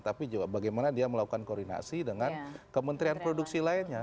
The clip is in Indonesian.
tapi juga bagaimana dia melakukan koordinasi dengan kementerian produksi lainnya